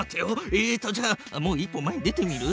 えっとじゃあもう一歩前に出てみる？